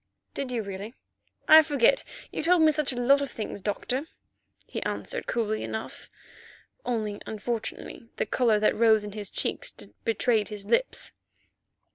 "Did you? Really, I forget; you told me such a lot of things, Doctor," he answered coolly enough, only unfortunately the colour that rose in his cheeks betrayed his lips.